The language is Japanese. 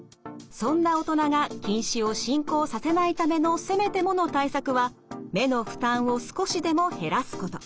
そんな大人が近視を進行させないためのせめてもの対策は目の負担を少しでも減らすこと。